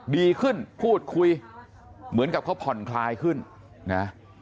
ดีขึ้นพูดคุยเหมือนกับเขาผ่อนคลายขึ้นนะ